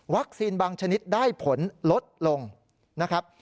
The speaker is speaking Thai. วัคซีนบางชนิดได้ผลลดลงนะครับ